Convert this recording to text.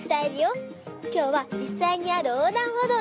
きょうはじっさいにあるおうだんほどうにきました！